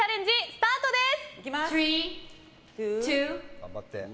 スタートです。